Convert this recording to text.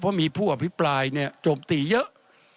เพราะมีผู้อภิปรายเนี่ยโจมตีเยอะ